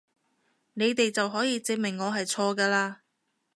你哋就可以證明我係錯㗎嘞！